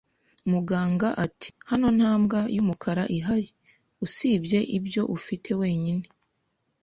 Muganga ati: "Hano nta mbwa y'umukara ihari, usibye ibyo ufite wenyine